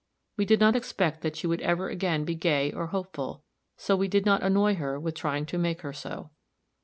We did not expect that she would ever again be gay or hopeful; so we did not annoy her with trying to make her so.